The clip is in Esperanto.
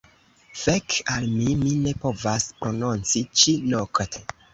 Fek al mi, mi ne povas prononci ĉi-nokte!